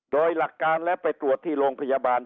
โดยหลักการและไปตรวจที่โรงพยาบาล